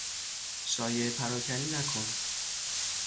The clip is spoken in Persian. شایعه پراکنی نکن!